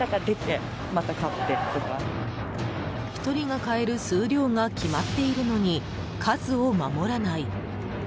１人が買える数量が決まっているのに、数を守らない。